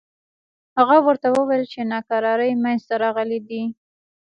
هغه ورته وویل چې ناکراری منځته راغلي دي.